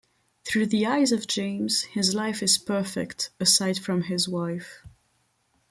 Through the eyes of James, his life is perfect, aside from his wife.